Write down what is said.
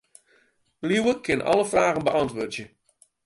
Liuwe kin alle fragen beäntwurdzje.